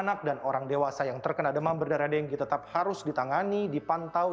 anak dan orang dewasa yang terkena demam berdarah dengki tetap harus ditangani dipantau